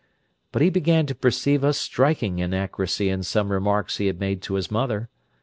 But he began to perceive a striking inaccuracy in some remarks he had made to his mother.